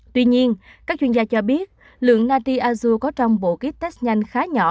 tuy nhiên các chuyên gia cho biết lượng natriazur có trong bộ kích test nhanh khá nhỏ